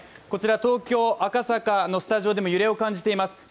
こちら東京・赤坂のスタジオでも揺れを感じています。